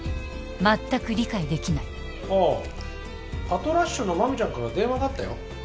まったく理解できないあっパトラッシュの真美ちゃんから電話があったよ。